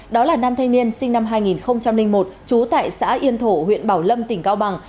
đó là nam thanh niên sinh năm hai nghìn một trú tại xã yên thổ huyện bảo lâm tỉnh cao bằng